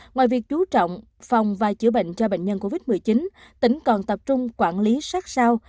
ngoài việc chú trọng phòng và chữa bệnh cho bệnh nhân covid một mươi chín tỉnh còn tập trung quản lý sát sao